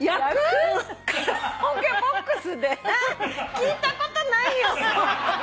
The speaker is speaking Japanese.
聞いたことないよ。